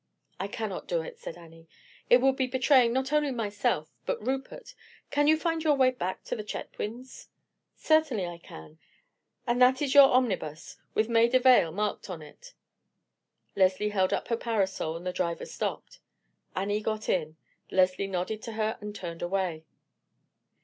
"I cannot do it," said Annie. "It would be betraying not only myself, but Rupert. Can you find your way back to the Chetwynds'?" "Certainly I can; and that is your omnibus with Maida Vale marked on it." Leslie held up her parasol and the driver stopped. Annie got in; Leslie nodded to her and turned away.